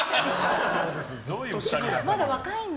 まだ若いんだ？